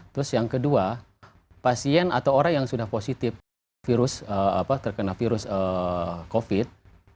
terus yang kedua pasien atau orang yang sudah positif virus terkena virus covid